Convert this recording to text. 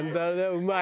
うまい！